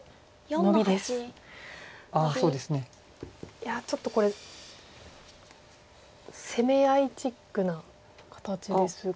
いやちょっとこれ攻め合いチックな形ですが。